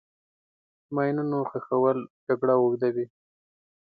د ماینونو ښخول جګړه اوږدوي.